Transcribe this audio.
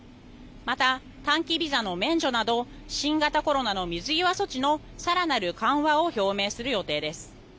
また、短期ビザの免除など新型コロナの水際措置の更なる緩和を表明する予定です。